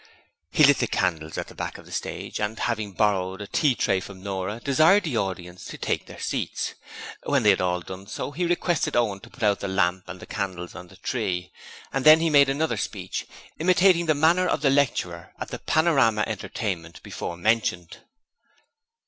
He lit the candles at the back of the stage and, having borrowed a tea tray from Nora, desired the audience to take their seats. When they had all done so, he requested Owen to put out the lamp and the candles on the tree, and then he made another speech, imitating the manner of the lecturer at the panorama entertainment before mentioned.